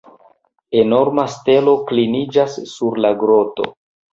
Enorma stelo kliniĝas sur la groto.